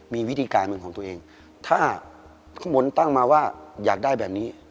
มีวิธีการเป็นของตัวเองถ้าข้างบนตั้งมาว่าอยากได้แบบนี้